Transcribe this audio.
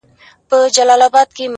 • نیت او فکر دواړه هېر د آزادۍ سي ,